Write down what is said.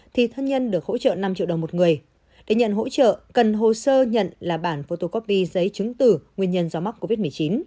thì thân nhân được hỗ trợ năm triệu đồng một người để nhận hỗ trợ cần hồ sơ nhận là bản photocopy giấy chứng tử nguyên nhân do mắc covid một mươi chín